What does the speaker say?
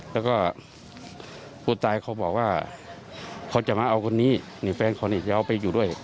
แล้วก็ผู้ตายเขาบอกว่าเขาจะมาเอาคนนี้นี่แฟนเขานี่จะเอาไปอยู่ด้วย